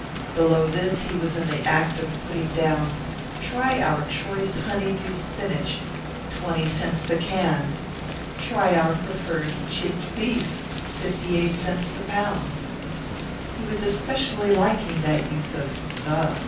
Below this he was in the act of putting down, "Try our choice Honey dew spinach, 20 cts. the can." "Try our Preferred Chipped Beef, 58 cts. the pound." He was especially liking that use of "the."